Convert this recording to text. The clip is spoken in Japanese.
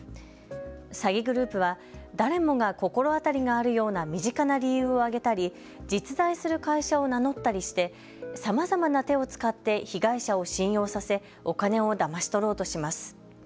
詐欺グループは誰もが心当たりがあるような身近な理由を挙げたり実在する会社を名乗ったりしてさまざまな手を使って被害者を信用させお金をだまし取ろうとします。